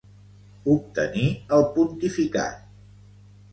Obtenir el pontificat.